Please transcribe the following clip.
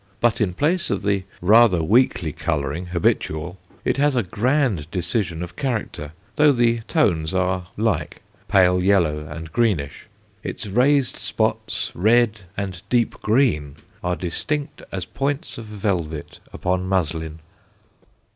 But in place of the rather weakly colouring habitual it has a grand decision of character, though the tones are like pale yellow and greenish; its raised spots, red and deep green, are distinct as points of velvet upon muslin.